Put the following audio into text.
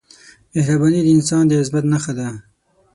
مهرباني د انسان د عظمت نښه ده.